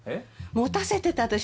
持たせてたでしょ。